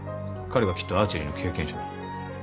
彼はきっとアーチェリーの経験者だ。